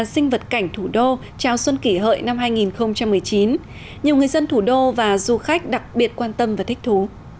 sinh vật cảnh thủ đô chào xuân kỷ hợi năm hai nghìn một mươi chín nhiều người dân thủ đô và du khách đặc biệt quan tâm và thích thú